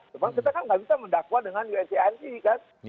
cuma kita kan tidak bisa mendakwa dengan uncsi kan